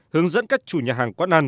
hướng dẫn các chủ nhà hàng quán ăn